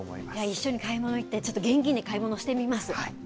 一緒に買い物行って、現金で買い物してみます。